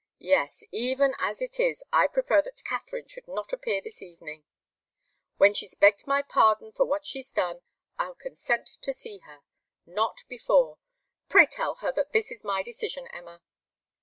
Yes, even as it is, I prefer that Katharine should not appear this evening. When she's begged my pardon for what she's done, I'll consent to see her. Not before. Pray tell her that this is my decision, Emma."